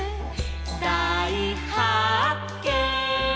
「だいはっけん！」